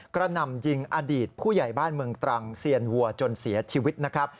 หนำยิงอดีตผู้ใหญ่บ้านเมืองตรังเซียนวัวจนเสียชีวิตนะครับ